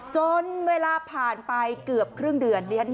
จนเวลาผ่านไปเกือบครึ่งเดือน